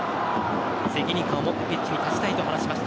責任感を持ってピッチに立ちたいと話しました